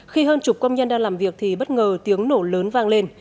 khi hơn chục công nhân đang làm việc thì bất ngờ tiếng nổ lớn vang lên